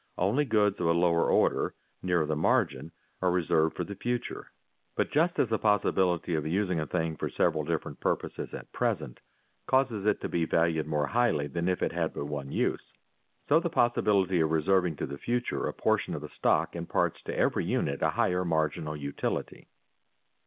Only goods of a lower order, nearer the margin, are reserved for the future. But just as the possibility of using a thing for several different purposes at present causes it to be valued more highly than if it had but one use, so the possibility of reserving to the future a portion of a stock imparts to every unit a higher marginal utility.